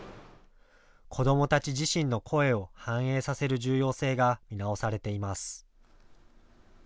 子どもたち自身の声を反映させる重要性が見直されています。